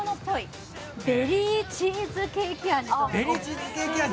ベリーチーズケーキ味という。